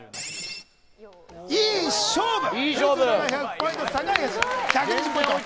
いい勝負。